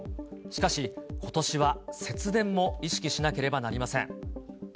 しかし、ことしは節電も意識ししなければなりません。